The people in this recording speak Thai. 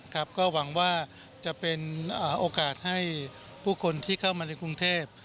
ก็หวังว่าจะเป็นโอกาสให้ผู้คนที่เข้ามาในกรุงเทพ